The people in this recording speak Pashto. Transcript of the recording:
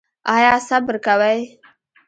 ایا صبر کوئ؟